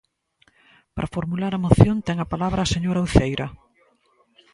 Para formular a moción ten a palabra a señora Uceira.